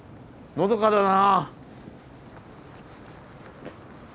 のどかだな！